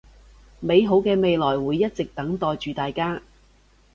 美好嘅未來會一直等待住大家